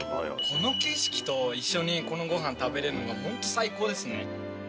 この景色と一緒にこのごはん食べられるのが本当最高ですね。